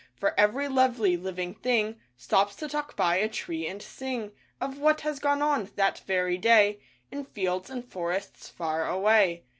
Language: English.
For every lovely living thing Stops to talk by a tree and sing, Of what has gone on that very day In fields and forests far away.